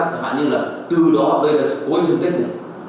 thật hẳn như là từ đó tới đây là cuối dân tích